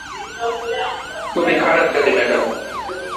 খুবই খারাপ গালি, ম্যাডাম।